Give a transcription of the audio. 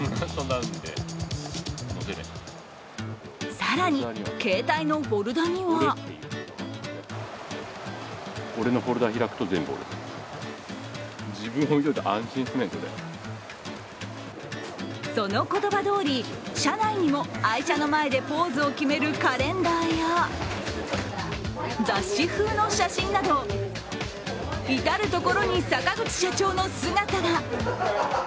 更に携帯のフォルダにはその言葉どおり、社内にも愛車の前でポーズを決めるカレンダーや雑誌風の写真など至る所に坂口社長の姿が。